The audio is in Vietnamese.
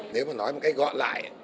nếu mà nói một cách gọn lại